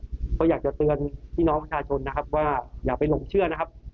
ก็อยากจะเตือนพี่น้องประชาชนนะครับว่าอย่าไปหลงเชื่อนะครับ